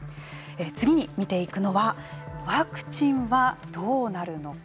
次に見ていくのはワクチンはどうなるのか。